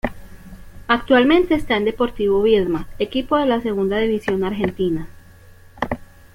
Actualmente está en Deportivo Viedma, equipo de la segunda división de Argentina.